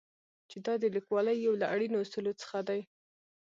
چې دا د لیکوالۍ یو له اړینو اصولو څخه دی.